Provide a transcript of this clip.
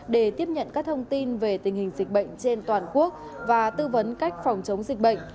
để tiếp nhận các thông tin về tình hình dịch bệnh trên